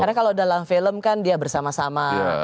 karena kalau dalam film kan dia bersama sama